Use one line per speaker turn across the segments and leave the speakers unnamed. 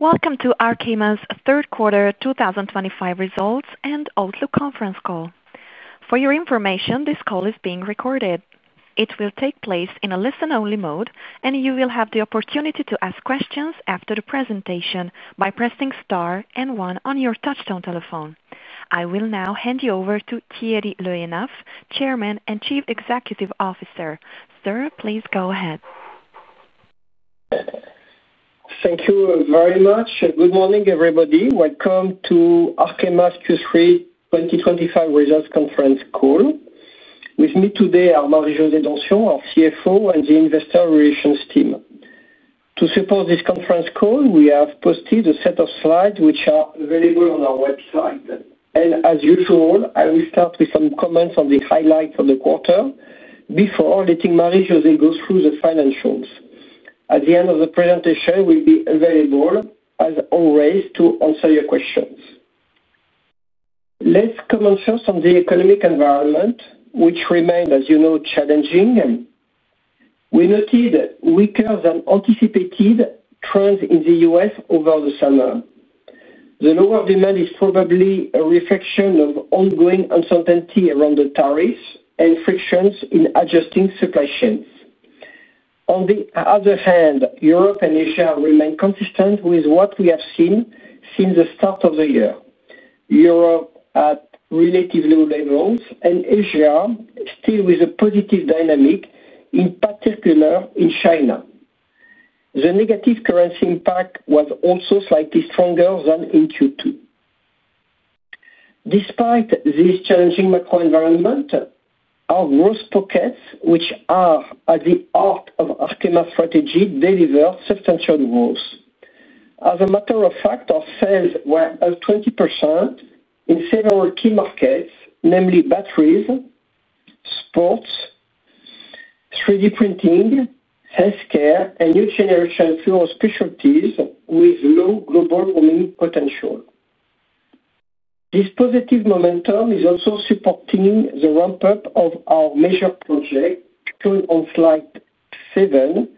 Welcome to Arkema's third quarter 2025 results and outlook conference call. For your information, this call is being recorded. It will take place in a listen-only mode, and you will have the opportunity to ask questions after the presentation by pressing star and one on your touchtone telephone. I will now hand you over to Thierry Le Hénaff, Chairman and Chief Executive Officer. Sir, please go ahead.
Thank you very much. Good morning, everybody. Welcome to Arkema Q3 2025 results conference call. With me today are Marie-José Donsion, our CFO, and the investor relations team. To support this conference call, we have posted a set of slides which are available on our website. As usual, I will start with some comments on the highlights of the quarter before letting Marie-José go through the financials. At the end of the presentation, we'll be available, as always, to answer your questions. Let's comment first on the economic environment, which remained, as you know, challenging. We noted weaker-than-anticipated trends in the U.S. over the summer. The lower demand is probably a reflection of ongoing uncertainty around the tariffs and frictions in adjusting supply chains. On the other hand, Europe and Asia remain consistent with what we have seen since the start of the year. Europe at relatively low levels, and Asia still with a positive dynamic, in particular in China. The negative currency impact was also slightly stronger than in Q2. Despite this challenging macro environment, our growth pockets, which are at the heart of Arkema's strategy, delivered substantial growth. As a matter of fact, our sales were up 20% in several key markets, namely batteries, sports, 3D printing, healthcare, and new-generation fluorospecialties with low global warming potential. This positive momentum is also supporting the ramp-up of our major project current on slide seven,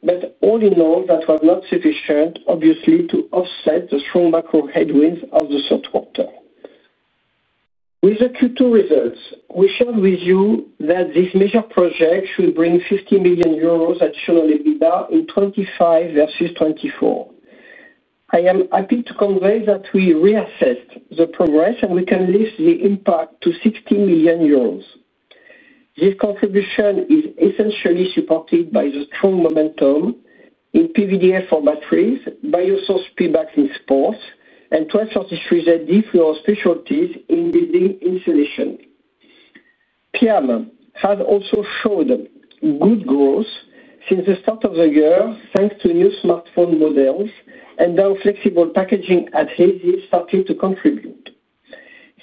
but all in all, that was not sufficient, obviously, to offset the strong macro headwinds of the third quarter. With the Q2 results, we shared with you that this major project should bring 50 million euros additional EBITDA in 2025 versus 2024. I am happy to convey that we reassessed the progress, and we can list the impact to 60 million euros. This contribution is essentially supported by the strong momentum in PVDF for batteries, biosourced Pebax in sports, and 1233zd fluorospecialties in building insulation. PIAM has also showed good growth since the start of the year, thanks to new smartphone models and Dow's flexible packaging adhesives starting to contribute.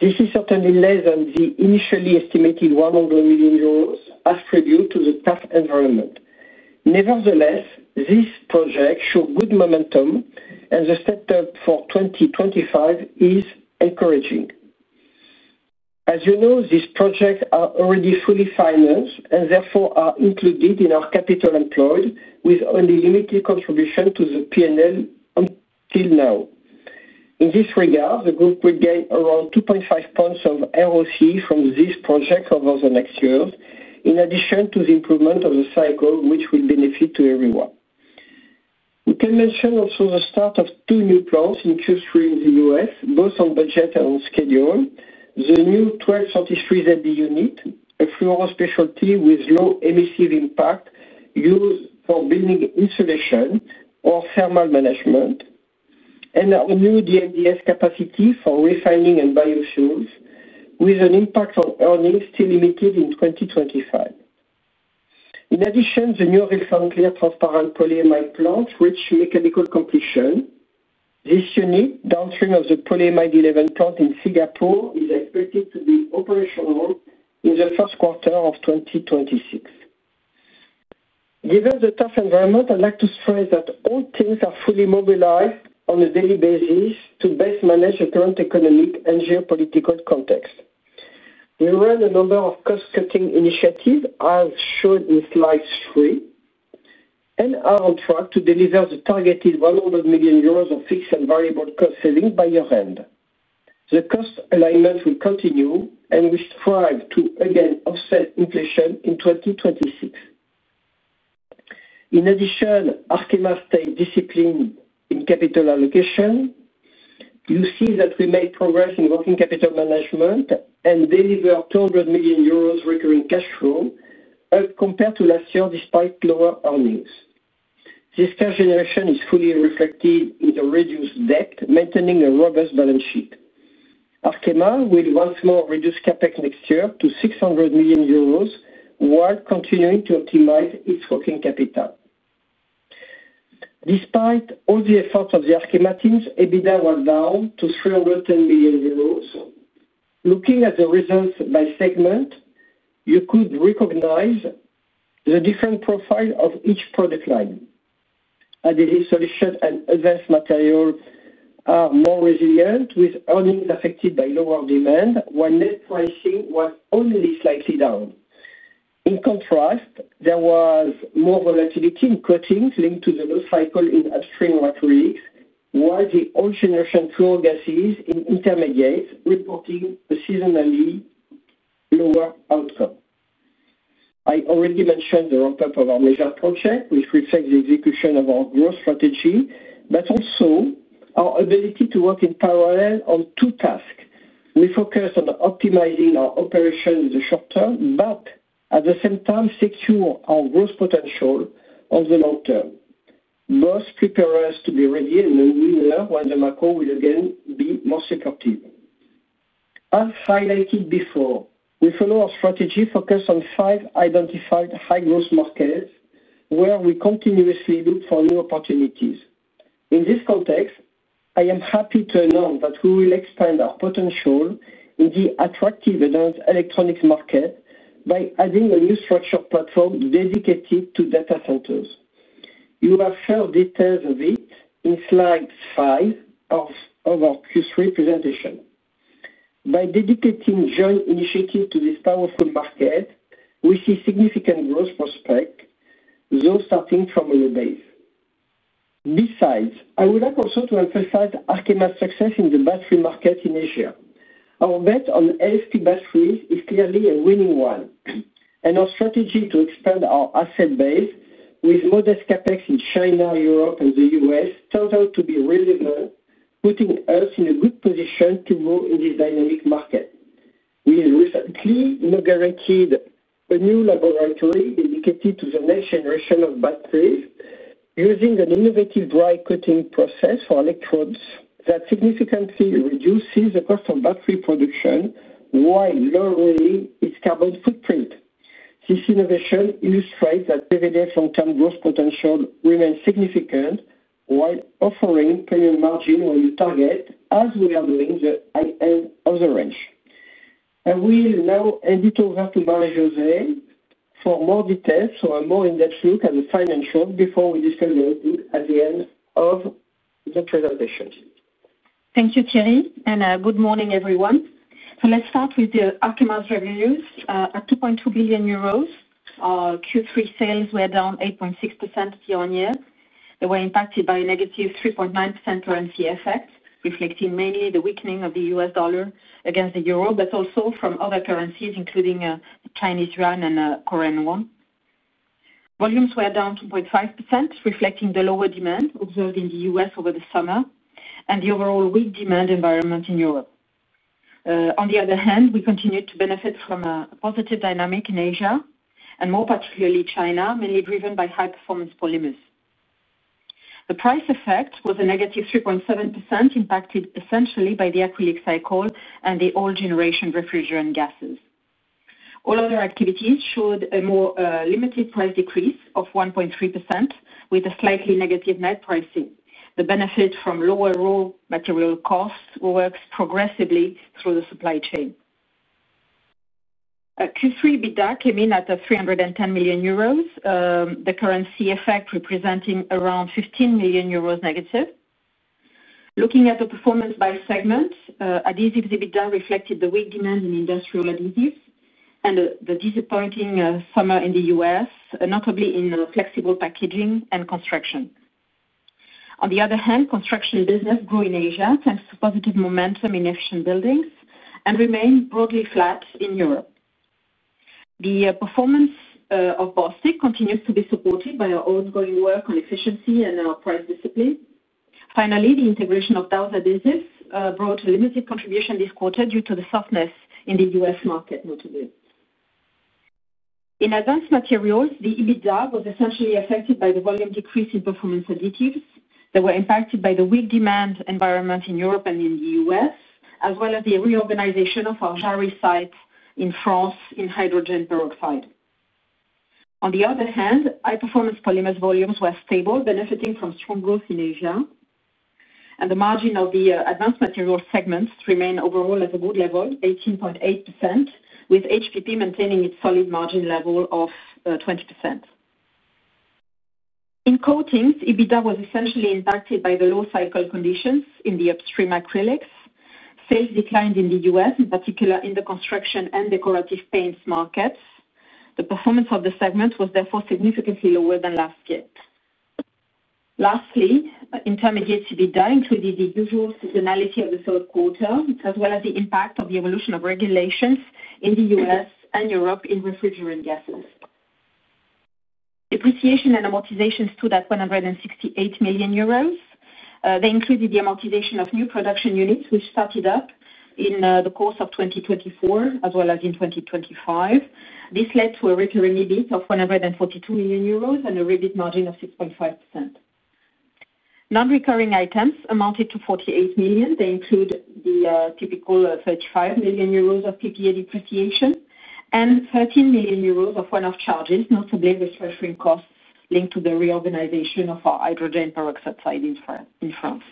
This is certainly less than the initially estimated 100 million euros attribute to the tough environment. Nevertheless, this project showed good momentum, and the setup for 2025 is encouraging. As you know, these projects are already fully financed and therefore are included in our capital employed, with only limited contribution to the P&L until now. In this regard, the group will gain around 2.5 points of ROCE from this project over the next years, in addition to the improvement of the cycle, which will benefit everyone. We can mention also the start of two new plants in Q3 in the U.S., both on budget and on schedule. The new 1233zd unit, a fluorospecialty with low emissive impact, used for building insulation or thermal management, and our new DMDS capacity for refining and biofuels, with an impact on earnings still limited in 2025. In addition, the new refined clear transparent polyamide plant reached mechanical completion. This unit, downstream of the polyamide 11 plant in Singapore, is expected to be operational in the first quarter of 2026. Given the tough environment, I'd like to stress that all things are fully mobilized on a daily basis to best manage the current economic and geopolitical context. We ran a number of cost-cutting initiatives, as shown in slide three, and are on track to deliver the targeted 100 million euros of fixed and variable cost savings by year-end. The cost alignment will continue, and we strive to, again, offset inflation in 2026. In addition, Arkema stays disciplined in capital allocation. You see that we made progress in working capital management and delivered 200 million euros recurring cash flow compared to last year, despite lower earnings. This cash generation is fully reflected in the reduced debt, maintaining a robust balance sheet. Arkema will once more reduce CapEx next year to 600 million euros, while continuing to optimize its working capital. Despite all the efforts of the Arkema teams, EBITDA was down to 310 million euros. Looking at the results by segment, you could recognize the different profiles of each product line. Adhesive Solutions and Advanced Materials are more resilient, with earnings affected by lower demand, while net pricing was only slightly down. In contrast, there was more volatility in Coating Solutions linked to the low cycle in upstream acrylics, while the old-generation fuel gases in Intermediates reported a seasonally lower outcome. I already mentioned the ramp-up of our major project, which reflects the execution of our growth strategy, but also our ability to work in parallel on two tasks. We focus on optimizing our operations in the short term, but at the same time, secure our growth potential on the long term. Both prepare us to be ready in the new year when the macro will again be more supportive. As highlighted before, we follow a strategy focused on five identified high-growth markets, where we continuously look for new opportunities. In this context, I am happy to announce that we will expand our potential in the attractive advanced electronics market by adding a new structured platform dedicated to data centers. You have heard details of it in slide five of our Q3 presentation. By dedicating joint initiatives to this powerful market, we see significant growth prospects, though starting from a new base. Besides, I would like also to emphasize Arkema's success in the battery market in Asia. Our bet on LFP batteries is clearly a winning one, and our strategy to expand our asset base with modest CapEx in China, Europe, and the U.S. turned out to be relevant, putting us in a good position to grow in this dynamic market. We recently inaugurated a new laboratory dedicated to the next-generation of batteries, using an innovative dry coating process for electrodes that significantly reduces the cost of battery production, while lowering its carbon footprint. This innovation illustrates that PVDF long-term growth potential remains significant, while offering premium margin when you target, as we are doing, the high end of the range. I will now hand it over to Marie-José for more details or a more in-depth look at the financials before we discuss the outlook at the end of the presentation.
Thank you, Thierry, and good morning, everyone. Let's start with Arkema's revenues. At 2.2 billion euros, Q3 sales were down 8.6% year-on-year. They were impacted by a -3.9% currency effect, reflecting mainly the weakening of the US dollar against the Euro, but also from other currencies, including the Chinese yuan and the Korean won. Volumes were down 2.5%, reflecting the lower demand observed in the U.S. over the summer and the overall weak demand environment in Europe. On the other hand, we continued to benefit from a positive dynamic in Asia, and more particularly China, mainly driven by high-performance polymers. The price effect was a -3.7%, impacted essentially by the acrylic cycle and the old generation refrigerant gases. All other activities showed a more limited price decrease of 1.3%, with a slightly negative net pricing. The benefit from lower raw material costs works progressively through the supply chain. Q3 EBITDA came in at 310 million euros, the currency effect representing around 15 million euros negative. Looking at the performance by segment, Adhesives EBITDA reflected the weak demand in industrial adhesives and the disappointing summer in the U.S., notably in flexible packaging and construction. On the other hand, construction business grew in Asia thanks to positive momentum in efficient buildings and remained broadly flat in Europe. The performance of Bostik continues to be supported by our ongoing work on efficiency and our price discipline. Finally, the integration of Dow's adhesives brought a limited contribution this quarter due to the softness in the U.S. market, notably. In Advanced Materials, the EBITDA was essentially affected by the volume decrease in performance adhesives. They were impacted by the weak demand environment in Europe and in the U.S., as well as the reorganization of our Jarrie site in France in hydrogen peroxide. On the other hand, high-performance polymers volumes were stable, benefiting from strong growth in Asia. The margin of the Advanced Materials segments remained overall at a good level, 18.8%, with HPP maintaining its solid margin level of 20%. In Coatings, EBITDA was essentially impacted by the low cycle conditions in the upstream acrylics. Sales declined in the U.S, in particular in the construction and decorative paints markets. The performance of the segment was therefore significantly lower than last year. Lastly, Intermediate's EBITDA included the usual seasonality of the third quarter, as well as the impact of the evolution of regulations in the U.S. and Europe in refrigerant gases. Depreciation and amortization stood at 168 million euros. They included the amortization of new production units, which started up in the course of 2024, as well as in 2025. This led to a recurring EBIT of 142 million euros and a REBIT margin of 6.5%. Non-recurring items amounted to 48 million. They include the typical 35 million euros of PPA depreciation and 13 million euros of one-off charges, notably refreshing costs linked to the reorganization of our hydrogen peroxide in France.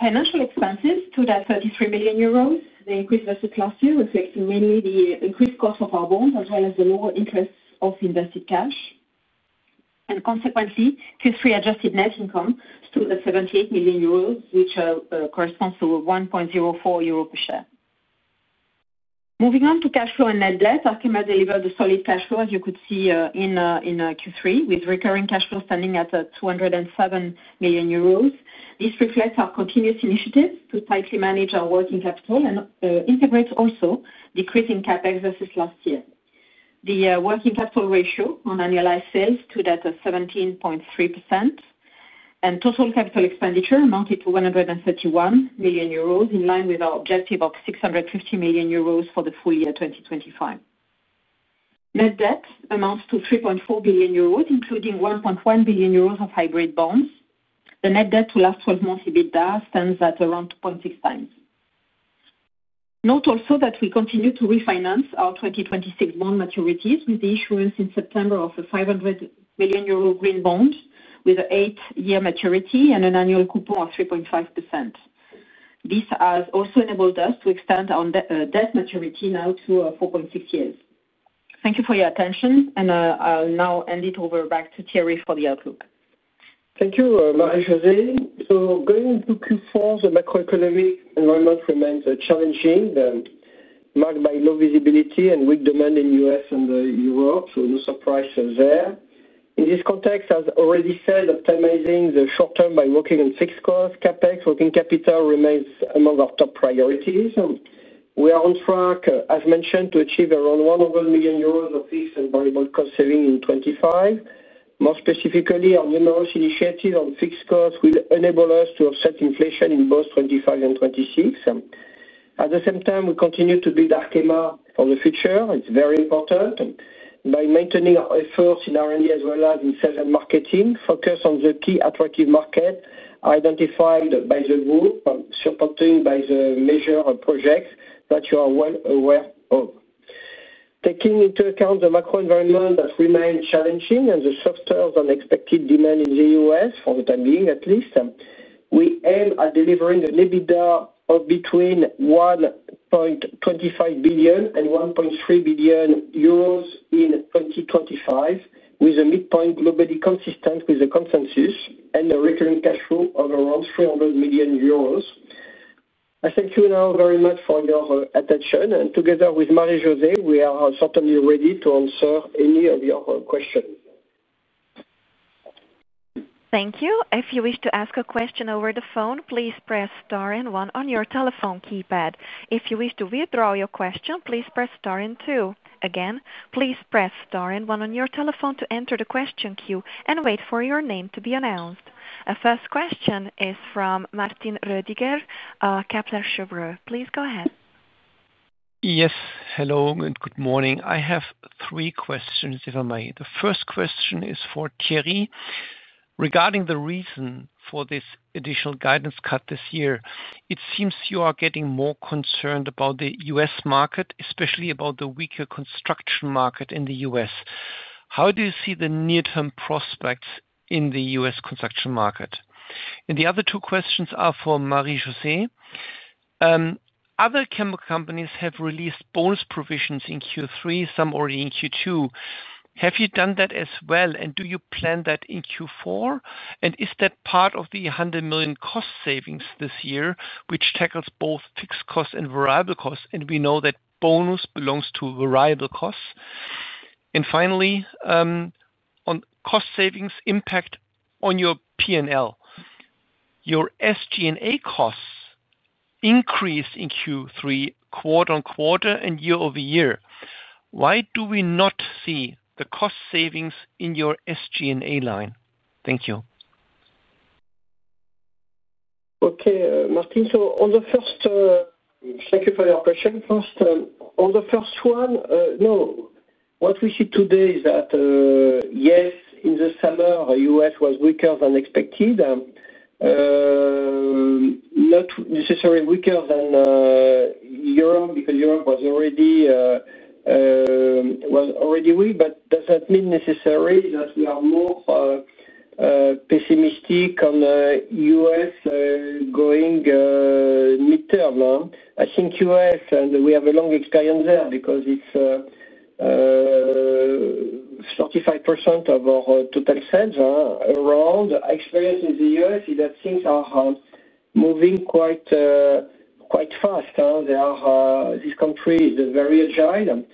Financial expenses stood at 33 million euros. They increased versus last year, reflecting mainly the increased cost of our bonds, as well as the lower interest of invested cash. Consequently, Q3 adjusted net income stood at 78 million euros, which corresponds to 1.04 euro per share. Moving on to cash flow and net debt, Arkema delivered a solid cash flow, as you could see in Q3, with recurring cash flow standing at 207 million euros. This reflects our continuous initiatives to tightly manage our working capital and integrate also decreasing CapEx versus last year. The working capital ratio on annualized sales stood at 17.3%, and total capital expenditure amounted to 131 million euros, in line with our objective of 650 million euros for the full year 2025. Net debt amounts to 3.4 billion euros, including 1.1 billion euros of hybrid bonds. The net debt to last 12 months EBITDA stands at around 2.6x. Note also that we continue to refinance our 2026 bond maturities, with the issuance in September of a 500 million euro green bond, with an eight-year maturity and an annual coupon of 3.5%. This has also enabled us to extend our debt maturity now to 4.6 years. Thank you for your attention, and I'll now hand it over back to Thierry for the outlook.
Thank you, Marie-José. Going into Q4, the macroeconomic environment remains challenging, marked by low visibility and weak demand in the U.S. and Europe, so no surprise there. In this context, as already said, optimizing the short term by working on fixed costs, CapEx, working capital remains among our top priorities. We are on track, as mentioned, to achieve around 100 million euros of fixed and variable cost savings in 2025. More specifically, our numerous initiatives on fixed costs will enable us to offset inflation in both 2025 and 2026. At the same time, we continue to build Arkema for the future. It is very important. By maintaining our efforts in R&D as well as in sales and marketing, focus on the key attractive markets identified by the group, supported by the major projects that you are well aware of. Taking into account the macro environment that remains challenging and the softer than expected demand in the U.S., for the time being at least, we aim at delivering an EBITDA of between 1.25 billion and 1.3 billion euros in 2025, with a midpoint globally consistent with the consensus and a recurring cash flow of around 300 million euros. I thank you now very much for your attention. Together with Marie-José, we are certainly ready to answer any of your questions.
Thank you. If you wish to ask a question over the phone, please press star and one on your telephone keypad. If you wish to withdraw your question, please press star and two. Again, please press star and one on your telephone to enter the question queue and wait for your name to be announced. Our first question is from Martin Roediger, Kepler Cheuvreux. Please go ahead.
Yes, hello and good morning. I have three questions, if I may. The first question is for Thierry. Regarding the reason for this additional guidance cut this year, it seems you are getting more concerned about the U.S. market, especially about the weaker construction market in the U.S. How do you see the near-term prospects in the U.S. construction market? The other two questions are for Marie-José. Other chemical companies have released bonus provisions in Q3, some already in Q2. Have you done that as well, and do you plan that in Q4? Is that part of the 100 million cost savings this year, which tackles both fixed costs and variable costs? We know that bonus belongs to variable costs. Finally, on cost savings impact on your P&L, your SG&A costs increased in Q3 quarter on quarter and year over year. Why do we not see the cost savings in your SG&A line? Thank you.
Okay, Martin, so on the first, thank you for your question. First, on the first one, no. What we see today is that, yes, in the summer, the U.S. was weaker than expected. Not necessarily weaker than Europe, because Europe was already weak, but does that mean necessarily that we are more pessimistic on the U.S. going midterm? I think U.S., and we have a long experience there because it's 35% of our total sales. Our experience in the U.S. is that things are moving quite fast. This country is very agile,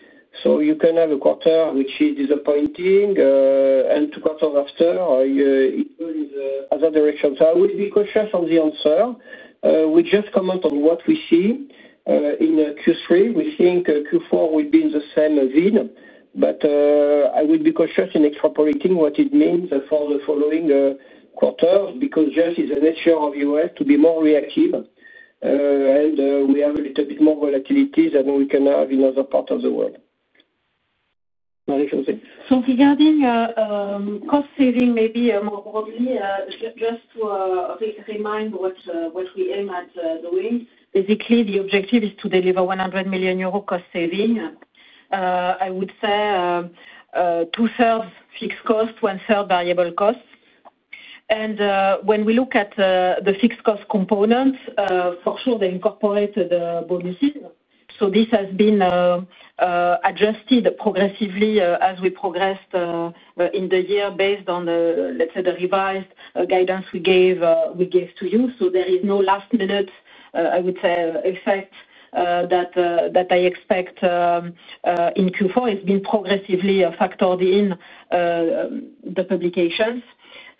so you can have a quarter which is disappointing, and two quarters after, it goes in the other direction. I will be cautious on the answer. We just comment on what we see in Q3. We think Q4 will be in the same vein, but I will be cautious in extrapolating what it means for the following quarters, because just it's a nature of the U.S. to be more reactive, and we have a little bit more volatility than we can have in other parts of the world. Marie-José?
Regarding cost saving, maybe more broadly, just to remind what we aim at doing, basically, the objective is to deliver 100 million euro cost saving. I would say 2/3 fixed cost, 1/3 variable cost. When we look at the fixed cost component, for sure, they incorporate the bonuses. This has been adjusted progressively as we progressed in the year based on, let's say, the revised guidance we gave to you. There is no last-minute, I would say, effect that I expect in Q4. It has been progressively factored in the publications.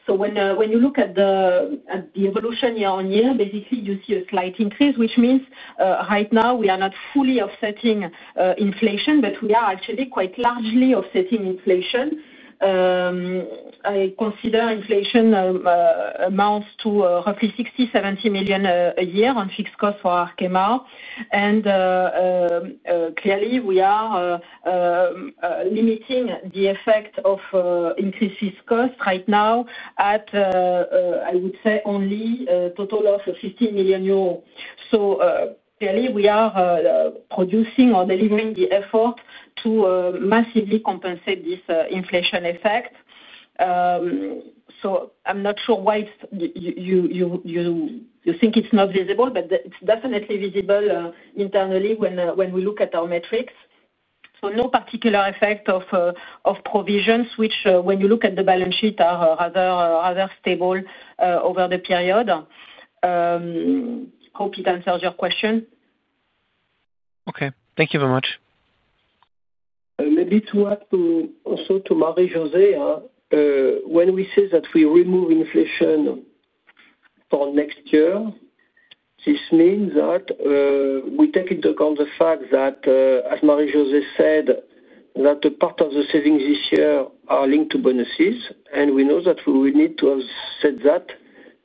When you look at the evolution year-on-year, basically, you see a slight increase, which means right now we are not fully offsetting inflation, but we are actually quite largely offsetting inflation. I consider inflation amounts to roughly 60 million-70 million a year on fixed costs for Arkema. Clearly, we are limiting the effect of increased fixed costs right now at, I would say, only a total of 15 million euros. Clearly, we are producing or delivering the effort to massively compensate this inflation effect. I'm not sure why you think it's not visible, but it's definitely visible internally when we look at our metrics. No particular effect of provisions, which, when you look at the balance sheet, are rather stable over the period. Hope it answers your question.
Okay. Thank you very much.
Maybe to add also to Marie-José, when we say that we remove inflation for next year, this means that we take into account the fact that, as Marie-José said, that part of the savings this year are linked to bonuses, and we know that we will need to offset that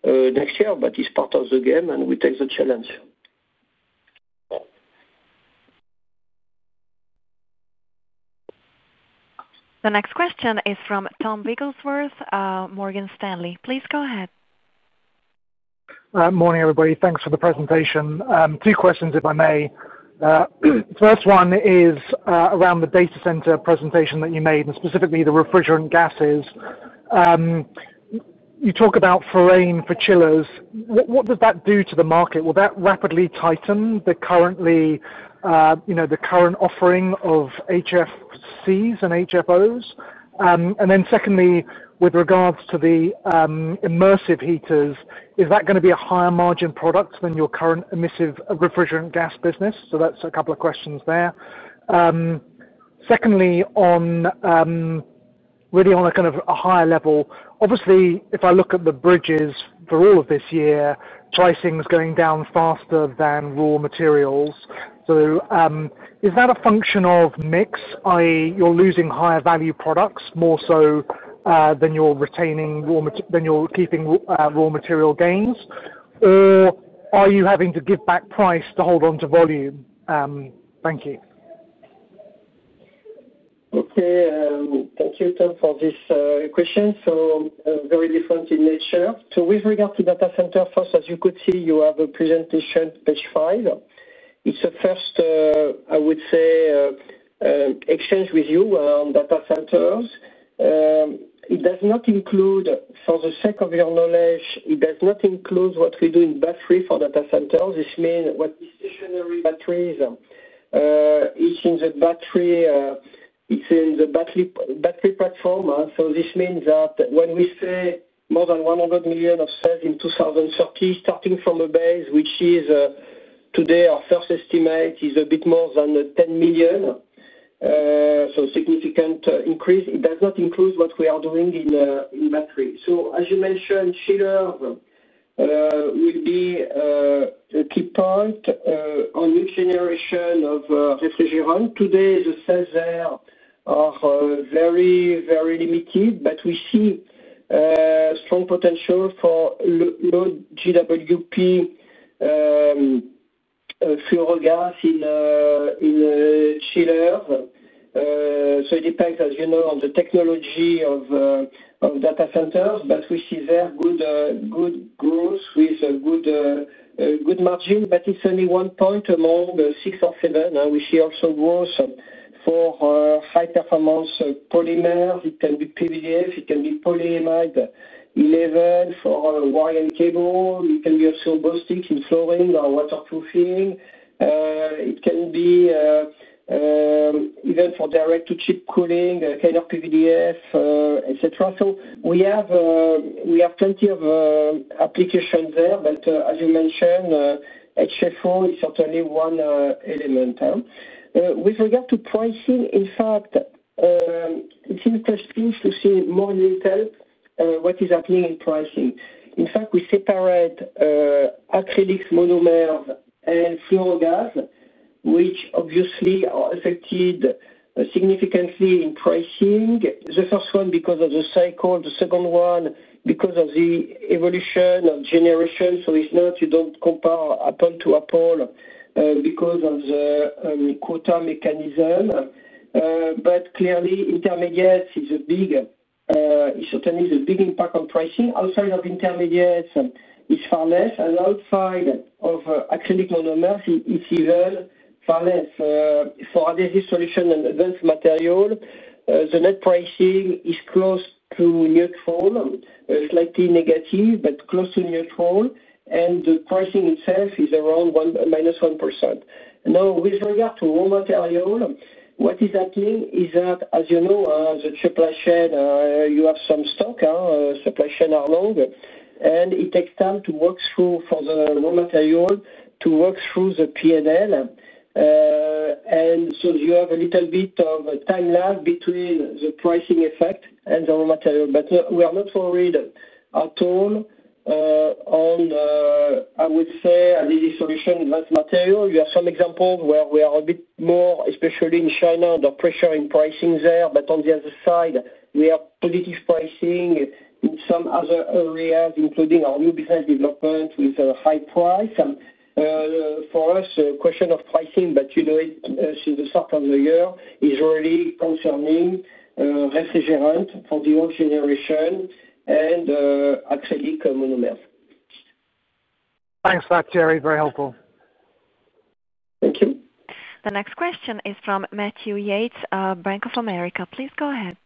next year, but it is part of the game, and we take the challenge.
The next question is from Tom Wrigglesworth, Morgan Stanley. Please go ahead.
Morning, everybody. Thanks for the presentation. Two questions, if I may. First one is around the data center presentation that you made, and specifically the refrigerant gases. You talk about foraying for chillers. What does that do to the market? Will that rapidly tighten the current offering of HFCs and HFOs? Secondly, with regards to the immersive heaters, is that going to be a higher margin product than your current emissive refrigerant gas business? That is a couple of questions there. Secondly, really on a kind of higher level, obviously, if I look at the bridges for all of this year, pricing is going down faster than raw materials. Is that a function of mix, i.e., you are losing higher value products more so than you are retaining raw material gains? Or are you having to give back price to hold on to volume? Thank you.
Okay. Thank you, Tom, for this question. Very different in nature. With regard to data center first, as you could see, you have a presentation page five. It's a first, I would say, exchange with you on data centers. It does not include, for the sake of your knowledge, it does not include what we do in battery for data centers. This means what this stationary battery is, it's in the battery platform. This means that when we say more than 100 million of sales in 2030, starting from a base which is today, our first estimate is a bit more than 10 million, so a significant increase, it does not include what we are doing in battery. As you mentioned, chillers will be a key point on new generation of refrigerant. Today, the sales there are very, very limited, but we see strong potential for low GWP fuel gas in chillers. It depends, as you know, on the technology of data centers, but we see very good growth with good margins, but it's only one point among six or seven. We see also growth for high-performance polymers. It can be PVDF, it can be polyamide 11 for wire and cable. It can be also ballistics in flooring or waterproofing. It can be even for direct-to-chip cooling, kind of PVDF, etc. We have plenty of applications there, but as you mentioned, HFO is certainly one element. With regard to pricing, in fact, it's interesting to see more in detail what is happening in pricing. In fact, we separate acrylics monomers, and fuel gas, which obviously are affected significantly in pricing. The first one because of the cycle, the second one because of the evolution of generation. It's not you don't compare apple to apple because of the quota mechanism. Clearly, Intermediates is a big it certainly is a big impact on pricing. Outside of Intermediates, it's far less. Outside of acrylic monomers, it's even far less. For Adhesive Solutions and Advanced Materials, the net pricing is close to neutral, slightly negative, but close to neutral. The pricing itself is around -1%. Now, with regard to raw material, what is happening is that, as you know, the supply chain, you have some stock, supply chain along, and it takes time to work through for the raw material to work through the P&L. You have a little bit of a time lag between the pricing effect and the raw material. We are not worried at all on, I would say, Adhesive Solutions and Advanced Materials. You have some examples where we are a bit more, especially in China, under pressure in pricing there, but on the other side, we have positive pricing in some other areas, including our new business development with a high price. For us, the question of pricing, but since the start of the year, is really concerning refrigerant for the old generation and acrylic monomers.
Thanks for that, Thierry. Very helpful.
Thank you.
The next question is from Matthew Yates, Bank of America. Please go ahead.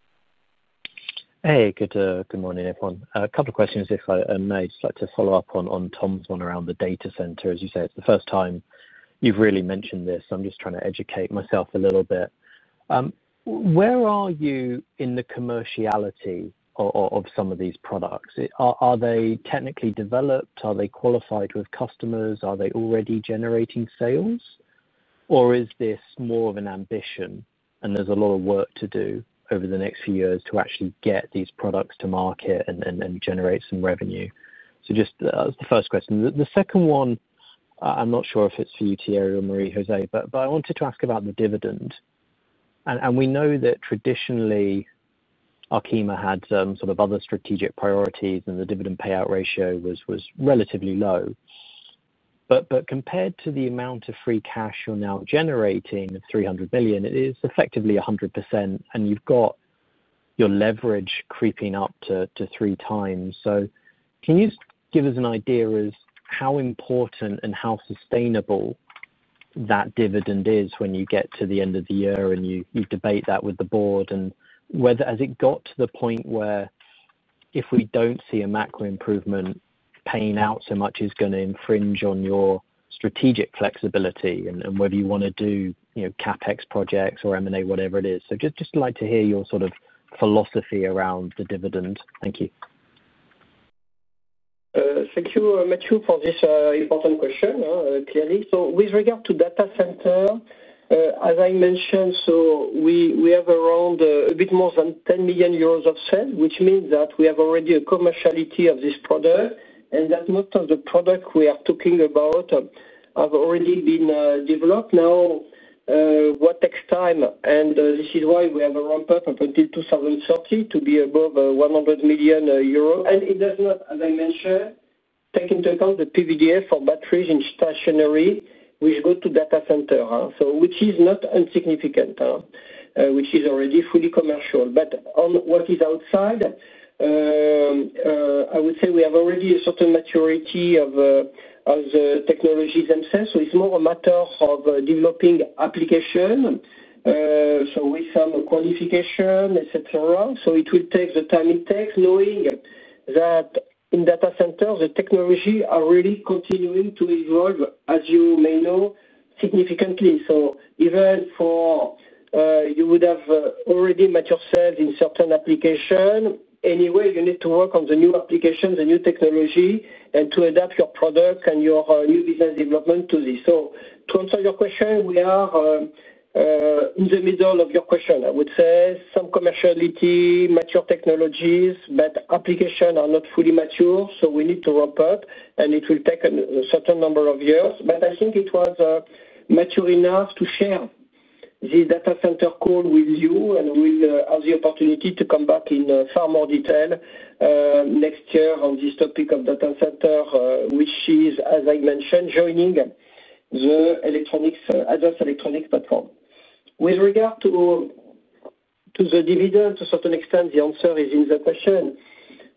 Hey, good morning, everyone. A couple of questions, if I may, just like to follow up on Tom's one around the data center. As you say, it's the first time you've really mentioned this. I'm just trying to educate myself a little bit. Where are you in the commerciality of some of these products? Are they technically developed? Are they qualified with customers? Are they already generating sales? Or is this more of an ambition, and there's a lot of work to do over the next few years to actually get these products to market and generate some revenue? That's the first question. The second one, I'm not sure if it's for you, Thierry or Marie-José, but I wanted to ask about the dividend. We know that traditionally, Arkema had sort of other strategic priorities, and the dividend payout ratio was relatively low. Compared to the amount of free cash you are now generating of 300 million, it is effectively 100%, and you have got your leverage creeping up to three times. Can you give us an idea as to how important and how sustainable that dividend is when you get to the end of the year and you debate that with the board? Has it got to the point where if we do not see a macro improvement, paying out so much is going to infringe on your strategic flexibility and whether you want to do CapEx projects or M&A, whatever it is? I would just like to hear your sort of philosophy around the dividend. Thank you.
Thank you, Matthew, for this important question, clearly. With regard to data center, as I mentioned, we have around a bit more than 10 million euros of sales, which means that we have already a commerciality of this product and that most of the products we are talking about have already been developed. What takes time, and this is why we have a ramp-up up until 2030 to be above 100 million euros. It does not, as I mentioned, take into account the PVDF for batteries in stationary which go to data center, which is not insignificant, which is already fully commercial. On what is outside, I would say we have already a certain maturity of the technologies themselves. It is more a matter of developing applications with some qualification, etc. It will take the time it takes, knowing that in data centers, the technology is really continuing to evolve, as you may know, significantly. Even for you would have already matured sales in certain applications. Anyway, you need to work on the new applications, the new technology, and to adapt your products and your new business development to this. To answer your question, we are in the middle of your question, I would say. Some commerciality, mature technologies, but applications are not fully mature. We need to ramp up, and it will take a certain number of years. I think it was mature enough to share the data center call with you and will have the opportunity to come back in far more detail next year on this topic of data center, which is, as I mentioned, joining the advanced electronics platform. With regard to the dividend, to a certain extent, the answer is in the question.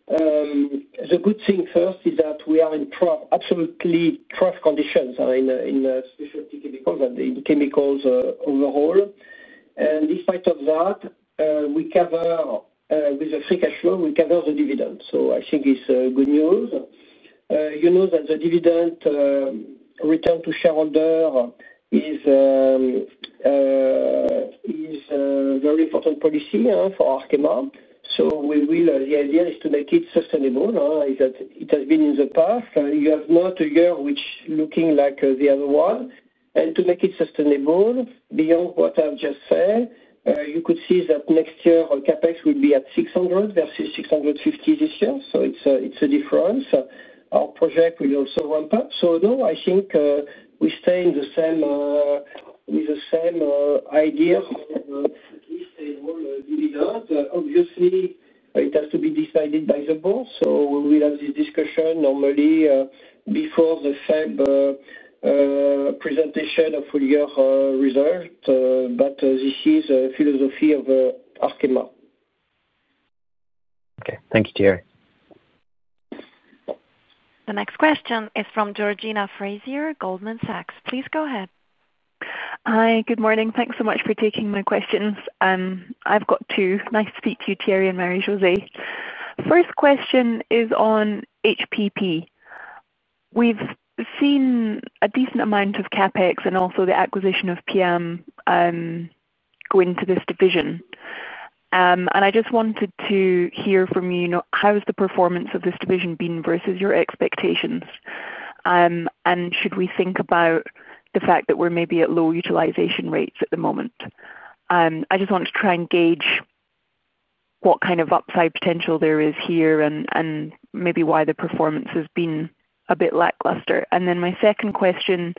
The good thing first is that we are in absolutely perfect conditions in specialty chemicals and in chemicals overall. In spite of that, with a free cash flow, we cover the dividend. I think it's good news. You know that the dividend return to shareholder is a very important policy for Arkema. The idea is to make it sustainable. It has been in the past. You have not a year which is looking like the other one. To make it sustainable, beyond what I've just said, you could see that next year, CapEx will be at 600 million versus 650 million this year. It's a difference. Our project will also ramp up. I think we stay with the same idea of sustainable dividend. Obviously, it has to be decided by the board. We will have this discussion normally before the presentation of full year results. This is the philosophy of Arkema.
Okay. Thank you, Thierry.
The next question is from Georgina Fraser, Goldman Sachs. Please go ahead.
Hi. Good morning. Thanks so much for taking my questions. I've got two. Nice to speak to you, Thierry and Marie-José. First question is on HPP. We've seen a decent amount of CapEx and also the acquisition of PIAM go into this division. I just wanted to hear from you, how has the performance of this division been versus your expectations? Should we think about the fact that we're maybe at low utilization rates at the moment? I just want to try and gauge what kind of upside potential there is here and maybe why the performance has been a bit lackluster. My second question,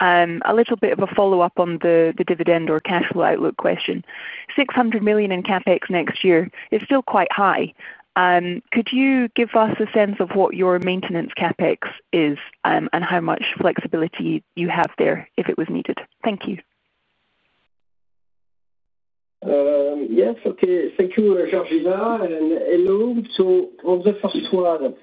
a little bit of a follow-up on the dividend or cash flow outlook question. 600 million in CapEx next year is still quite high. Could you give us a sense of what your maintenance CapEx is and how much flexibility you have there if it was needed? Thank you.
Yes. Okay. Thank you, Georgina. Hello. On the first one,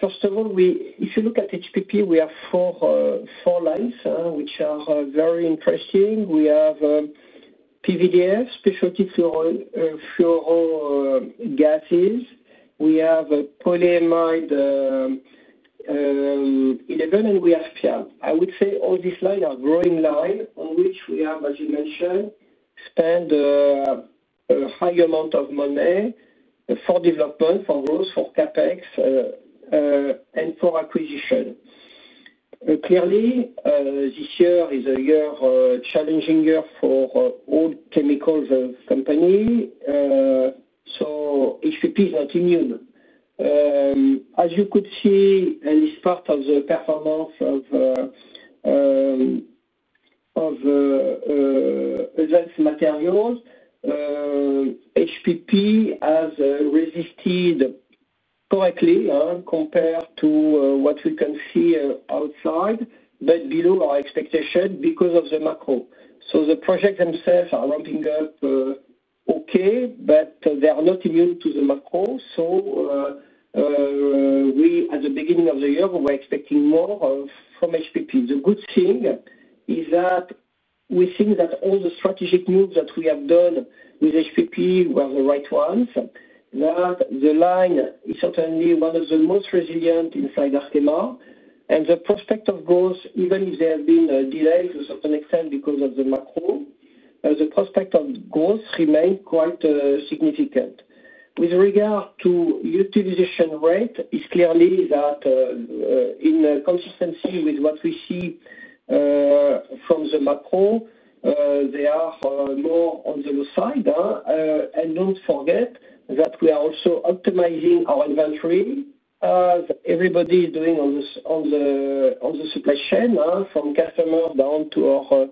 first of all, if you look at HPP, we have four lines which are very interesting. We have PVDF, specialty fuel gases, polyamide 11, and we have PIAM. I would say all these lines are growing lines on which we have, as you mentioned, spent a high amount of money for development, for growth, for CapEx, and for acquisition. Clearly, this year is a challenging year for all chemicals companies. HPP is not immune. As you could see, and it is part of the performance of advanced materials, HPP has resisted correctly compared to what we can see outside, but below our expectations because of the macro. The projects themselves are ramping up okay, but they are not immune to the macro. We, at the beginning of the year, were expecting more from HPP. The good thing is that we think that all the strategic moves that we have done with HPP were the right ones, that the line is certainly one of the most resilient inside Arkema. The prospect of growth, even if there have been delays to a certain extent because of the macro, the prospect of growth remains quite significant. With regard to utilization rate, it's clearly that in consistency with what we see from the macro, they are more on the low side. Do not forget that we are also optimizing our inventory as everybody is doing on the supply chain from customers down to our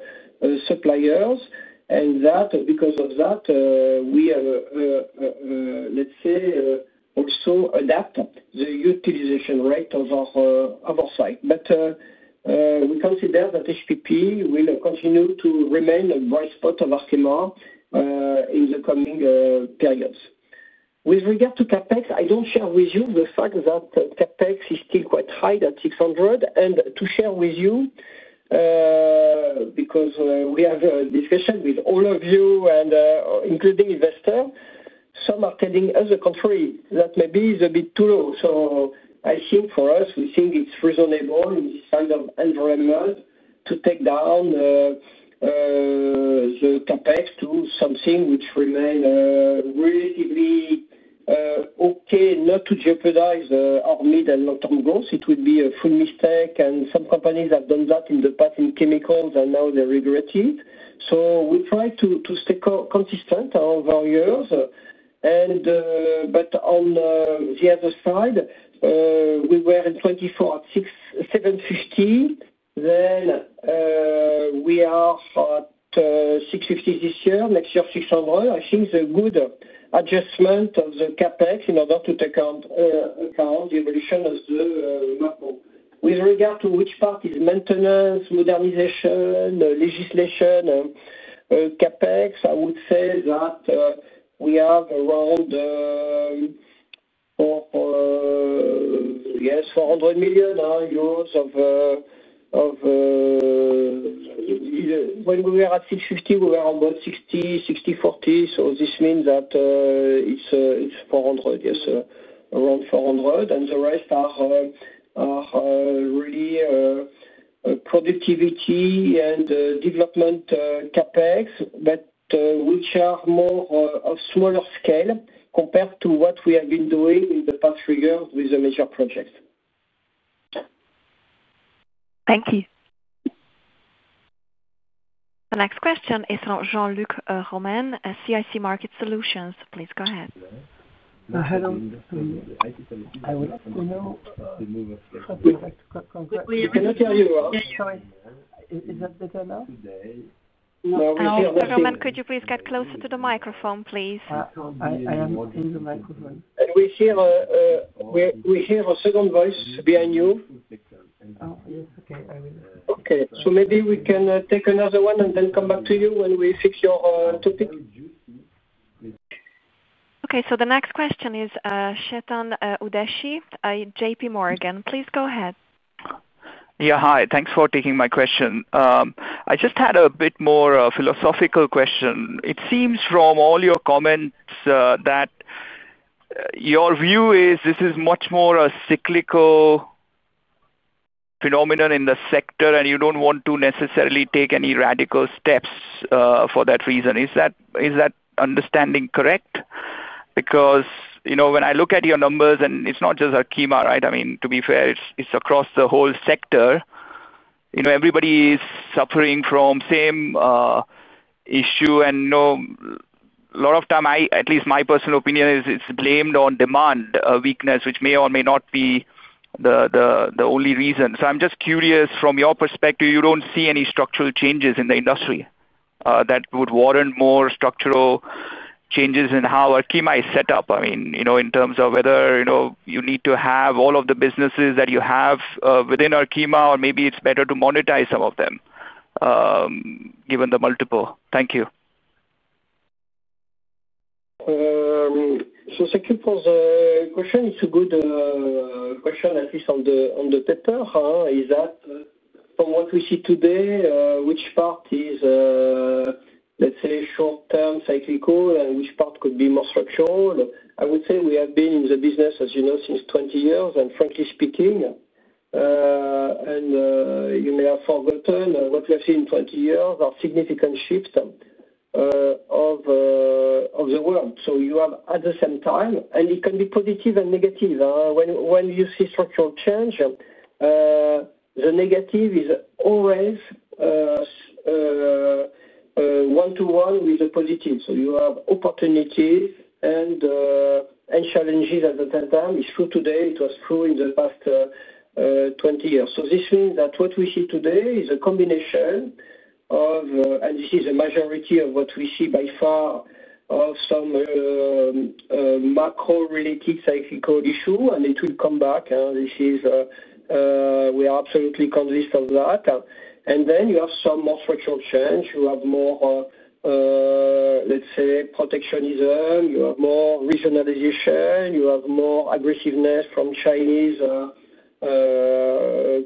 suppliers. Because of that, we have, let's say, also adapted the utilization rate of our site. We consider that HPP will continue to remain a bright spot of Arkema in the coming periods. With regard to CapEx, I do not share with you the fact that CapEx is still quite high at 600 million. And to share with you, because we have discussions with all of you, including investors, some are telling us the contrary that maybe it is a bit too low. I think for us, we think it is reasonable in this kind of environment to take down the CapEx to something which remains relatively okay, not to jeopardize our mid and long-term growth. It would be a full mistake. Some companies have done that in the past in chemicals, and now they regret it. We try to stay consistent over the years. On the other side, we were in 2024 at 750 million. We are at 650 million this year. Next year, 600 million. I think it's a good adjustment of the CapEx in order to take into account the evolution of the macro. With regard to which part is maintenance, modernization, legislation, CapEx, I would say that we have around, yes, 400 million euros of when we were at 650 million, we were on about 60, 60/40. This means that it's 400 million, yes, around 400 million. The rest are really productivity and development CapEx, but which are more of smaller scale compared to what we have been doing in the past three years with the major projects.
Thank you.
The next question is from Jean-Luc Romain, CIC Market Solutions. Please go ahead.
Hello. Can I tell you? Is that better now? No, we hear nothing.
Romain, could you please get closer to the microphone, please?
I am in the microphone.
We hear a second voice behind you.
Yes, okay.
Okay. Maybe we can take another one and then come back to you when we fix your topic.
Okay. The next question is Chetan Udeshi, JPMorgan. Please go ahead.
Yeah, hi. Thanks for taking my question. I just had a bit more philosophical question. It seems from all your comments that your view is this is much more a cyclical phenomenon in the sector, and you do not want to necessarily take any radical steps for that reason. Is that understanding correct? Because when I look at your numbers, and it is not just Arkema, right? I mean, to be fair, it is across the whole sector. Everybody is suffering from the same issue. A lot of time, at least my personal opinion, it is blamed on demand weakness, which may or may not be the only reason. I am just curious, from your perspective, you do not see any structural changes in the industry that would warrant more structural changes in how Arkema is set up? I mean, in terms of whether you need to have all of the businesses that you have within Arkema, or maybe it's better to monetize some of them given the multiple. Thank you.
Thank you for the question. It's a good question, at least on the paper. Is that from what we see today, which part is, let's say, short-term cyclical, and which part could be more structural? I would say we have been in the business, as you know, since 20 years, and frankly speaking, and you may have forgotten, what we have seen in 20 years are significant shifts of the world. You have at the same time, and it can be positive and negative. When you see structural change, the negative is always one-to-one with the positive. You have opportunities and challenges at the same time. It's true today. It was true in the past 20 years. This means that what we see today is a combination of, and this is the majority of what we see by far, some macro-related cyclical issue, and it will come back. We are absolutely convinced of that. Then you have some more structural change. You have more, let's say, protectionism. You have more regionalization. You have more aggressiveness from Chinese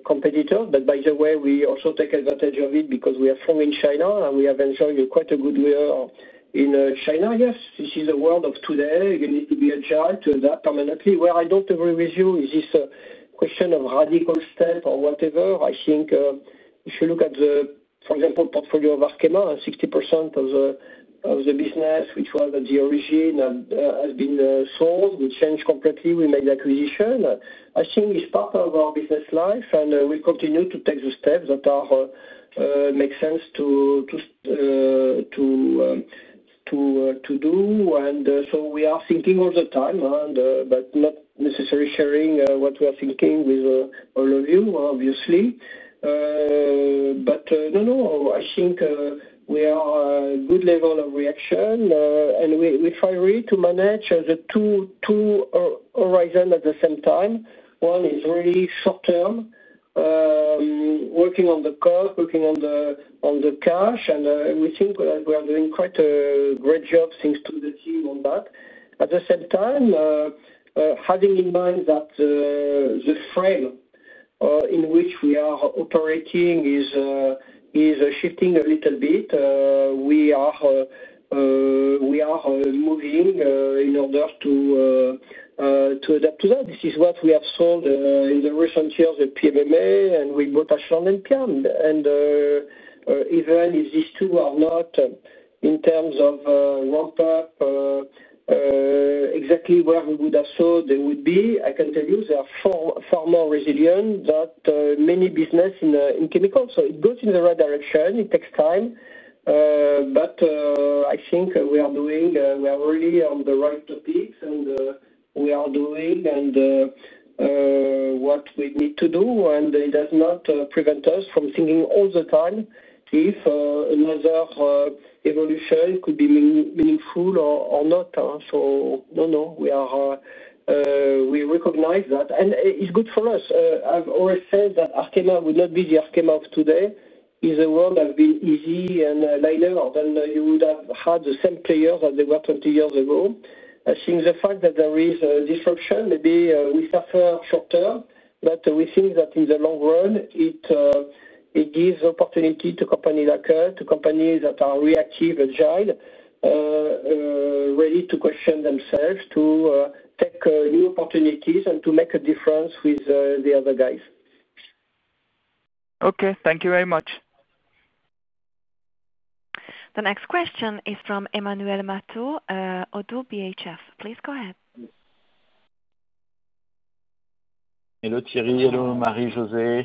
competitors. By the way, we also take advantage of it because we are strong in China, and we have enjoyed quite a good year in China. Yes, this is the world of today. You need to be agile to adapt permanently. Where I do not agree with you is this question of radical steps or whatever. I think if you look at the, for example, portfolio of Arkema, 60% of the business, which was at the origin, has been sold. We changed completely. We made acquisition. I think it's part of our business life, and we will continue to take the steps that make sense to do. We are thinking all the time, but not necessarily sharing what we are thinking with all of you, obviously. No, I think we are at a good level of reaction. We try really to manage the two horizons at the same time. One is really short-term, working on the cost, working on the cash, and we think we are doing quite a great job thanks to the team on that. At the same time, having in mind that the frame in which we are operating is shifting a little bit, we are moving in order to adapt to that. This is what we have sold in the recent years, the PMMA, and we bought Ashland and PIAM. Even if these two are not in terms of ramp up exactly where we would have thought they would be, I can tell you they are far more resilient than many businesses in chemicals. It goes in the right direction. It takes time. I think we are really on the right topics, and we are doing what we need to do. It does not prevent us from thinking all the time if another evolution could be meaningful or not. No, no, we recognize that. It is good for us. I have always said that Arkema would not be the Arkema of today. The world has been easy and lighter than you would have had the same players as they were 20 years ago. I think the fact that there is disruption, maybe we suffer short-term, but we think that in the long run, it gives opportunity to companies like us, to companies that are reactive, agile, ready to question themselves, to take new opportunities, and to make a difference with the other guys.
Okay. Thank you very much.
The next question is from Emmanuel Matot, Oddo BHF. Please go ahead.
Hello, Thierry. Hello, Marie-Josée.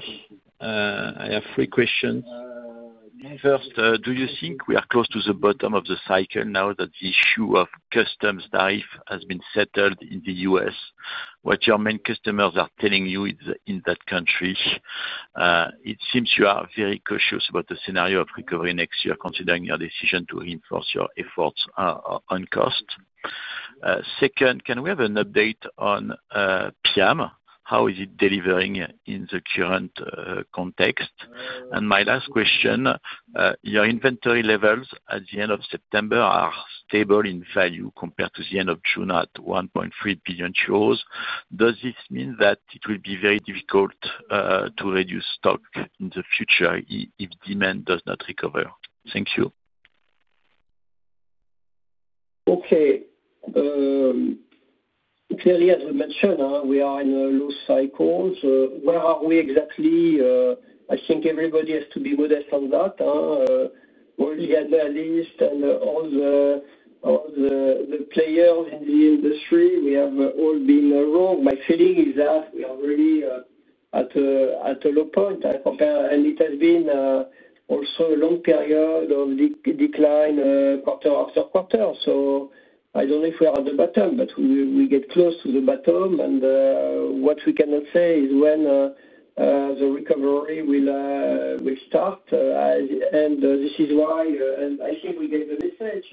I have three questions. First, do you think we are close to the bottom of the cycle now that the issue of customs tariff has been settled in the U.S.? What your main customers are telling you in that country? It seems you are very cautious about the scenario of recovery next year, considering your decision to reinforce your efforts on cost. Second, can we have an update on PIAM? How is it delivering in the current context? And my last question, your inventory levels at the end of September are stable in value compared to the end of June at 1.3 billion euros. Does this mean that it will be very difficult to reduce stock in the future if demand does not recover? Thank you.
Okay. Clearly, as we mentioned, we are in a low cycle. Where are we exactly? I think everybody has to be modest on that. Only analysts and all the players in the industry, we have all been wrong. My feeling is that we are really at a low point. It has been also a long period of decline quarter after quarter. I do not know if we are at the bottom, but we get close to the bottom. What we cannot say is when the recovery will start. This is why I think we get the message.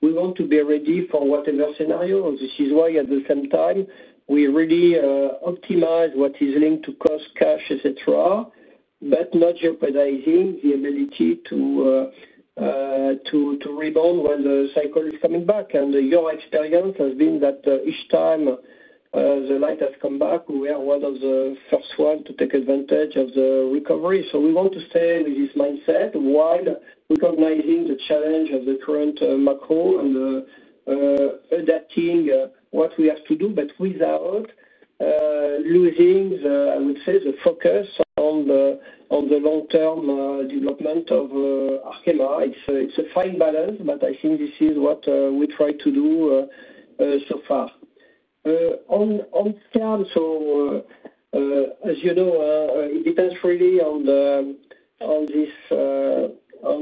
We want to be ready for whatever scenario. This is why, at the same time, we really optimize what is linked to cost, cash, etc., but not jeopardizing the ability to rebound when the cycle is coming back. Your experience has been that each time the light has come back, we are one of the first ones to take advantage of the recovery. We want to stay with this mindset while recognizing the challenge of the current macro and adapting what we have to do, but without losing, I would say, the focus on the long-term development of Arkema. It is a fine balance, but I think this is what we try to do so far. On PIAM, as you know, it depends freely on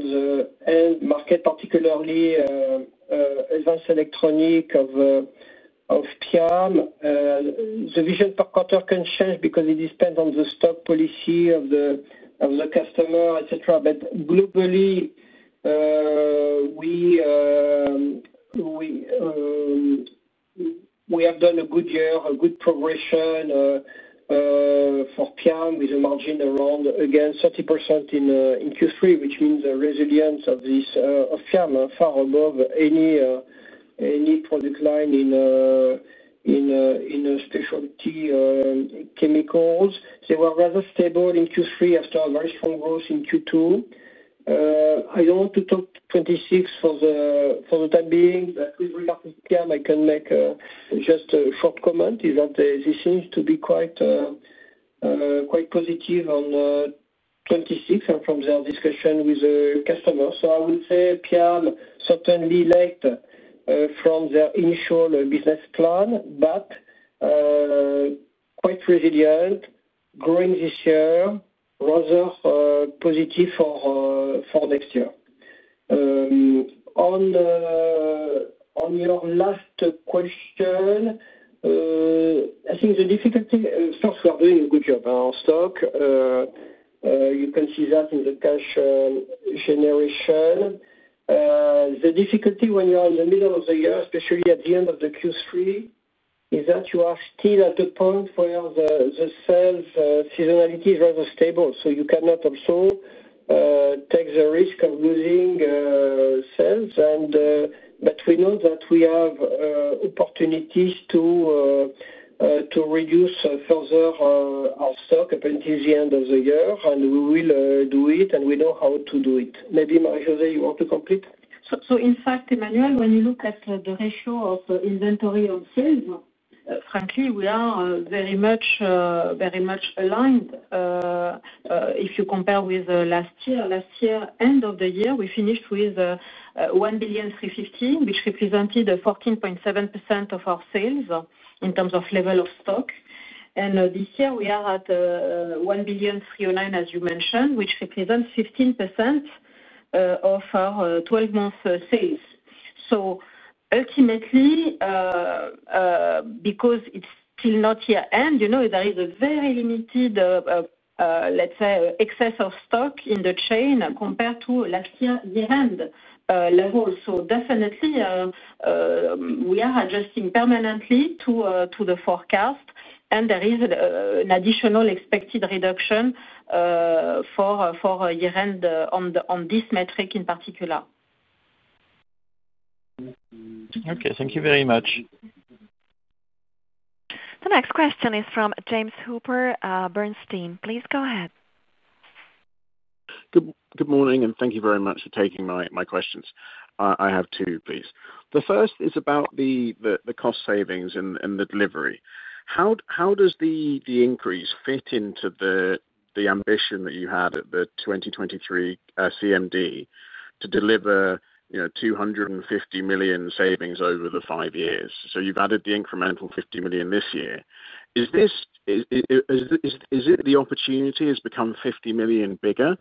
the end market, particularly advanced electronics of PIAM. The vision per quarter can change because it depends on the stock policy of the customer, etc. Globally, we have done a good year, a good progression for PIAM with a margin around, again, 30% in Q3, which means the resilience of PIAM far above any decline in specialty chemicals. They were rather stable in Q3 after a very strong growth in Q2. I do not want to talk 2026 for the time being, but with regard to PIAM, I can make just a short comment. This seems to be quite positive on 2026 and from their discussion with the customers. I would say PIAM certainly lagged from their initial business plan, but quite resilient, growing this year, rather positive for next year. On your last question, I think the difficulty first, we are doing a good job on stock. You can see that in the cash generation. The difficulty when you are in the middle of the year, especially at the end of Q3, is that you are still at the point where the sales seasonality is rather stable. You cannot also take the risk of losing sales. We know that we have opportunities to reduce further our stock until the end of the year, and we will do it, and we know how to do it. Maybe Marie-José, you want to complete?
In fact, Emmanuel, when you look at the ratio of inventory on sales, frankly, we are very much aligned. If you compare with last year, last year, end of the year, we finished with 1,350,000, which represented 14.7% of our sales in terms of level of stock. This year, we are at 1,309,000, as you mentioned, which represents 15% of our 12-month sales. Ultimately, because it is still not year-end, there is a very limited, let's say, excess of stock in the chain compared to last year's year-end level. Definitely, we are adjusting permanently to the forecast, and there is an additional expected reduction for year-end on this metric in particular.
Okay. Thank you very much.
The next question is from James Hooper at Bernstein. Please go ahead.
Good morning, and thank you very much for taking my questions. I have two, please. The first is about the cost savings and the delivery. How does the increase fit into the ambition that you had at the 2023 CMD to deliver 250 million savings over the five years? You have added the incremental 50 million this year. Is it the opportunity has become 50 million bigger,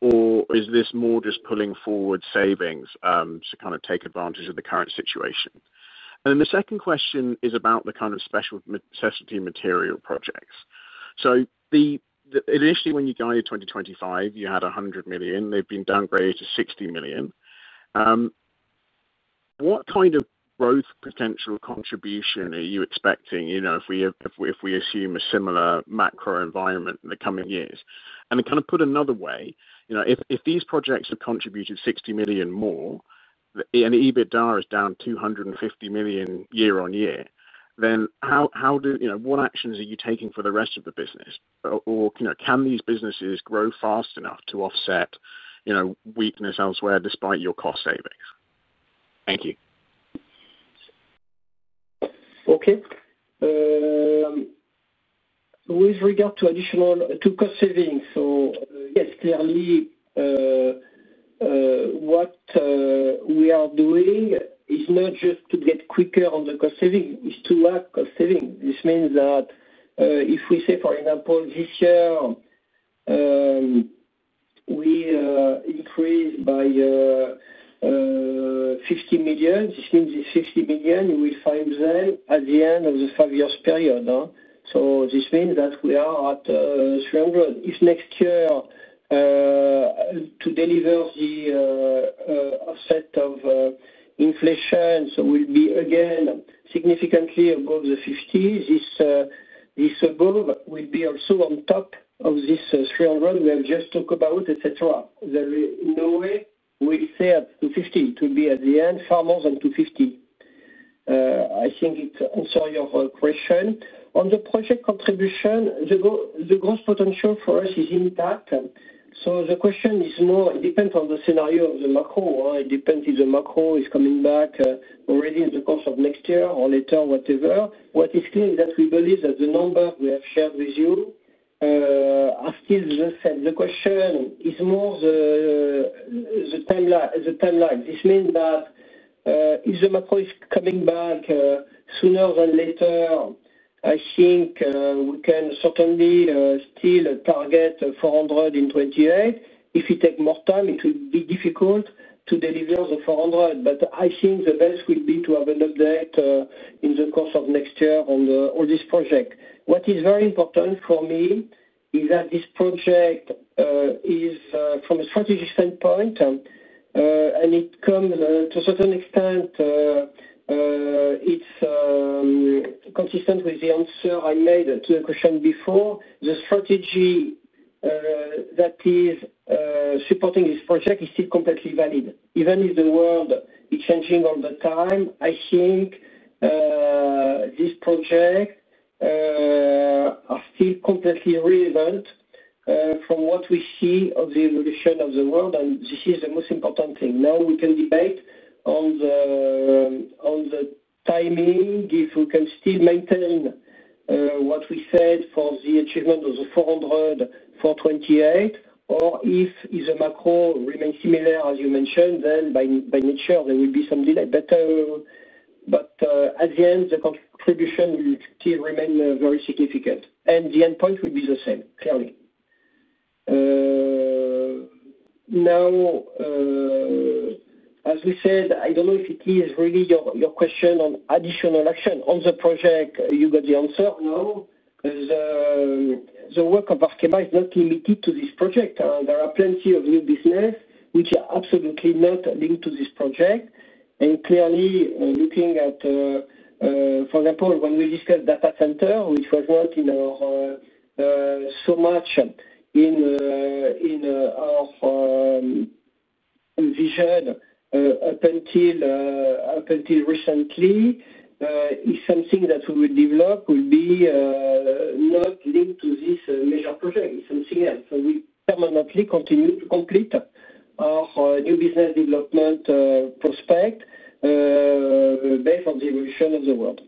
or is this more just pulling forward savings to kind of take advantage of the current situation? The second question is about the kind of special necessity material projects. Initially, when you guided 2025, you had 100 million. They have been downgraded to 60 million. What kind of growth potential contribution are you expecting if we assume a similar macro environment in the coming years? Kind of put another way, if these projects have contributed 60 million more and EBITDA is down 250 million year-on-year, what actions are you taking for the rest of the business? Can these businesses grow fast enough to offset weakness elsewhere despite your cost savings? Thank you.
Okay. With regard to additional cost savings, yes, clearly, what we are doing is not just to get quicker on the cost savings. It is to add cost savings. This means that if we say, for example, this year, we increase by 50 million, this means 50 million you will find then at the end of the five-year period. This means that we are at 300 million. If next year, to deliver the offset of inflation, we will be again significantly above the 50 million. This above will be also on top of this 300 million we have just talked about, etc. There is no way we will say up to 50 million. It will be at the end far more than 250 million. I think it answers your question. On the project contribution, the growth potential for us is intact. The question is more it depends on the scenario of the macro. It depends if the macro is coming back already in the course of next year or later, whatever. What is clear is that we believe that the numbers we have shared with you are still the same. The question is more the timeline. This means that if the macro is coming back sooner than later, I think we can certainly still target 400 million in 2028. If we take more time, it will be difficult to deliver the 400 million. I think the best would be to have an update in the course of next year on all these projects. What is very important for me is that this project is from a strategic standpoint, and it comes to a certain extent, it is consistent with the answer I made to the question before. The strategy that is supporting this project is still completely valid. Even if the world is changing all the time, I think these projects are still completely relevant from what we see of the evolution of the world, and this is the most important thing. Now we can debate on the timing if we can still maintain what we said for the achievement of the 400 million for 2028, or if the macro remains similar, as you mentioned, then by nature, there will be some delay. At the end, the contribution will still remain very significant. The endpoint will be the same, clearly. Now, as we said, I do not know if it is really your question on additional action on the project. You got the answer? No. The work of Arkema is not limited to this project. There are plenty of new businesses which are absolutely not linked to this project. Clearly, looking at, for example, when we discussed data center, which was not so much in our vision up until recently, is something that we will develop. It will be not linked to this major project. It is something else. We permanently continue to complete our new business development prospect based on the evolution of the world.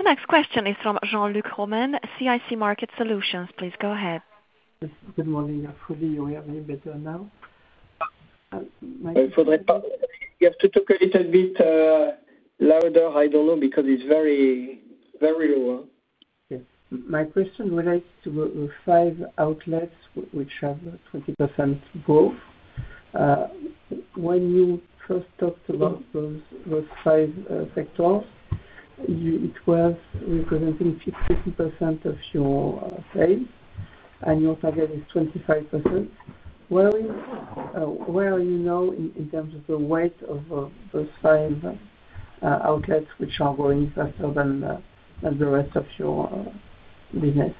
The next question is from Jean-Luc Romain, CIC Market Solutions. Please go ahead.
Good morning. Hopefully, you hear me better now.
You have to talk a little bit louder. I do not know because it is very low.
My question relates to five outlets which have 20% growth. When you first talked about those five sectors, it was representing 50% of your sales, and your target is 25%. Where are you now in terms of the weight of those five outlets which are growing faster than the rest of your business?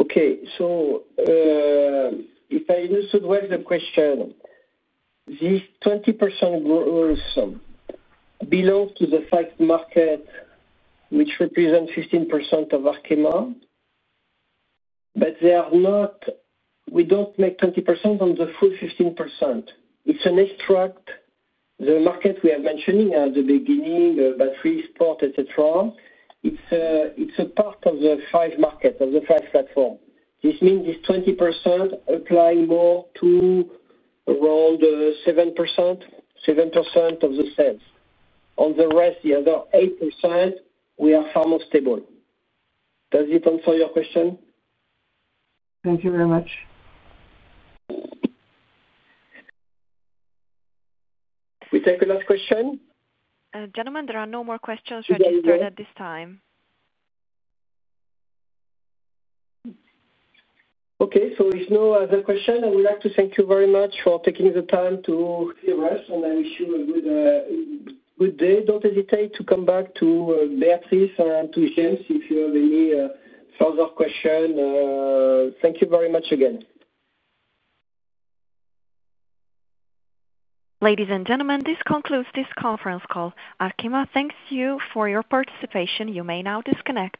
Okay. If I understood well the question, this 20% growth belongs to the five markets which represent 15% of Arkema, but we do not make 20% on the full 15%. It is an extract of the market we are mentioning at the beginning, batteries, sport, etc. It is a part of the five markets, of the five platforms. This means this 20% applies more to around 7% of the sales. On the rest, the other 8%, we are far more stable. Does it answer your question?
Thank you very much.
We take the last question.
Gentlemen, there are no more questions registered at this time.
Okay. So if no other question, I would like to thank you very much for taking the time to. The rest, and I wish you a good day. Do not hesitate to come back to Béatrice and to James if you have any further questions. Thank you very much again.
Ladies and gentlemen, this concludes this conference call. Arkema thanks you for your participation. You may now disconnect.